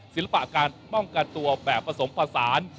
ศิลปะการป้องกันตัวแบบผสมผสาน